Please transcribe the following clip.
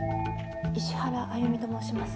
石原歩美と申します。